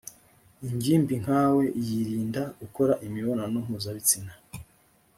ingimbi nkawe yiirinda gukora imibonano mpuzabitsina .